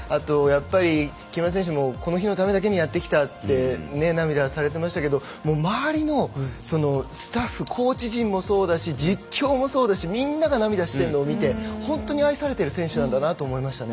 木村選手もこの日のためだけにやってきたって涙されてましたけど周りのスタッフコーチ陣もそうだし実況もそうだしみんなが涙しているのを見て本当に愛されてる選手なんだなと思いましたね。